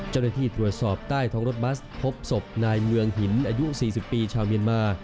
เจ้าหน้าที่ตรวจสอบใต้ท้องรถบัสพบศพนายเมืองหินอายุ๔๐ปีชาวเมียนมา